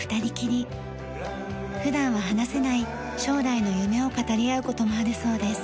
普段は話せない将来の夢を語り合う事もあるそうです。